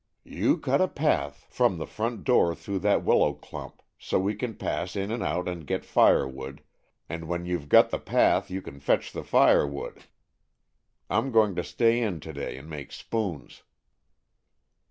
You cut a path from the front door through that willow clump, so we can pass in and out and get fire wood, and when you 've got the path you can fetch the fire wood. I'm going to stay in to day and make spoons."